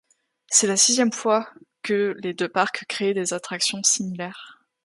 C'est la sixième fois que les deux parcs créent des attractions similaires.